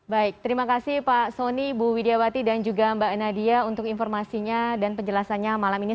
baik terima kasih pak soni bu widiawati dan juga mbak nadia untuk informasinya dan penjelasannya malam ini